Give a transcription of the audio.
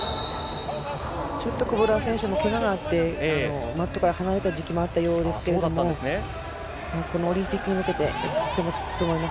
ちょっとコブロワ選手もけががあってマットから離れた時期があったようですけれど、このオリンピックに向けて。